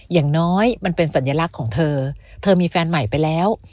อย่างน้อยมันเป็นสัญลักษณ์ของเธอเธอมีแฟนใหม่ไปแล้ว